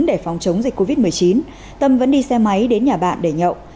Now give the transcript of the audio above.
để phòng chống dịch covid một mươi chín tâm vẫn đi xe máy đến nhà bạn để nhậu